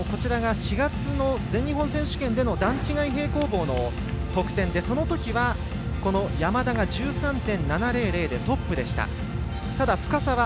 ４月の全日本選手権での段違い平行棒の得点でそのときは山田が１３．７００でトップでした。